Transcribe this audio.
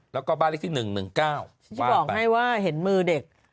แล้วก็บ้านเลขที่๑๑๙ที่บอกให้ว่าเห็นมือเด็ก